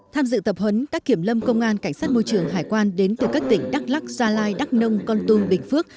tham dự tập huấn các kiểm lâm công an cảnh sát môi trường hải quan đến từ các tỉnh đắk lắc gia lai đắk nông con tung bình phước